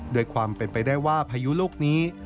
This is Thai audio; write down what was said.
ด้วยความเป็นไปได้ว่าพายุลูกนี้